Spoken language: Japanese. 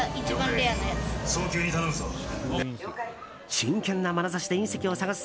真剣なまなざしで隕石を探す